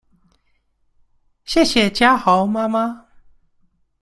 謝謝家豪媽媽